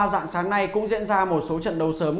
dạng sáng nay cũng diễn ra một số trận đấu sớm